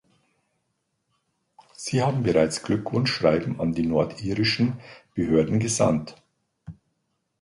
Sie haben bereits Glückwunschschreiben an die nordirischen Behörden gesandt.